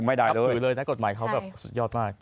ไม่ได้นับถือเลยนะกฎหมายเขาแบบสุดยอดมาก